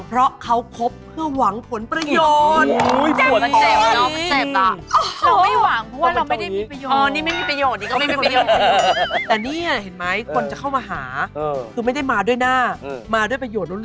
เพราะเขาคบเพื่อหวังผลประโยชน์